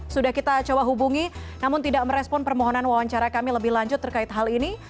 sudah kita coba hubungi namun tidak merespon permohonan wawancara kami lebih lanjut terkait hal ini